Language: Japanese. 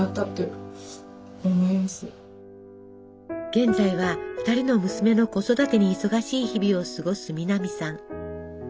現在は２人の娘の子育てに忙しい日々を過ごす南さん。